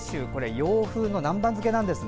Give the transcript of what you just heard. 洋風の南蛮漬けなんです。